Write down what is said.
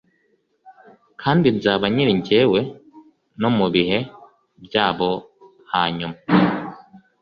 kandi nzaba nkiri Jyewe no mu bihe by’abo hanyuma.